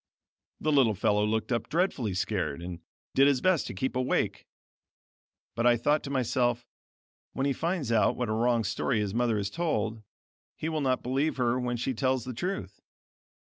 The little fellow looked up dreadfully scared, and did his best to keep awake: but I thought to myself, when he finds out what a wrong story his mother has told, he will not believe her even when she tells the truth.